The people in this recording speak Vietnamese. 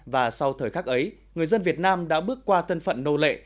và sau thời khắc ấy người dân việt nam đã bước qua tân phận nô lệ